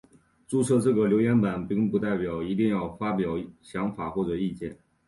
注册这个留言版并不代表一定要发表想法或意见。